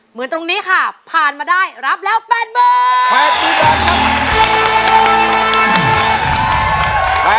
เหมือนตรงนี้ค่ะผ่านมาได้รับแล้ว๘๐๐๐บาท